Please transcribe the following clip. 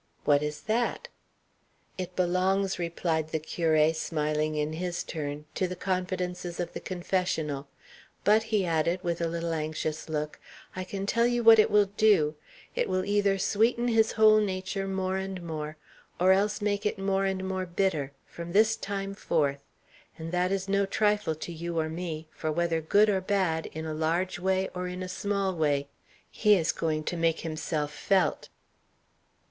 "What is that?" "It belongs," replied the curé, smiling in his turn, "to the confidences of the confessional. But," he added, with a little anxious look, "I can tell you what it will do; it will either sweeten his whole nature more and more, or else make it more and more bitter, from this time forth. And that is no trifle to you or me; for whether for good or bad, in a large way or in a small way, he is going to make himself felt."